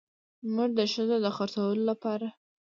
موږ د ښځو د خرڅولو لپاره